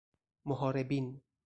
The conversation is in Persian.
محاربین